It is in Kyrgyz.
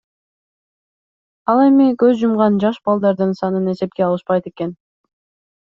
Ал эми көз жумган жаш балдардын санын эсепке алышпайт экен.